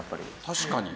確かに。